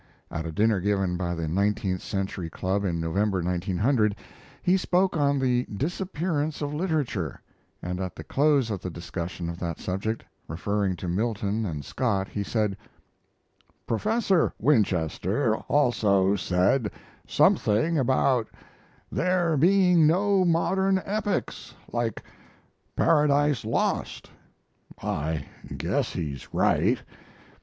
At a dinner given by the Nineteenth Century Club in November, 1900, he spoke on the "Disappearance of Literature," and at the close of the discussion of that subject, referring to Milton and Scott, he said: Professor Winchester also said something about there being no modern epics like "Paradise Lost." I guess he's right.